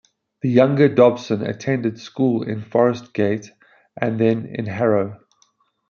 The younger Dobson attended school in Forest Gate and then in Harrow.